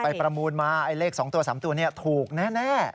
ไปประมูลมาเลข๒ตัว๓ตัวถูกแน่